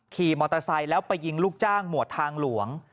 ขี่มอเตอร์ไซค์แล้วไปยิงลูกจ้างหมวดทางหลวง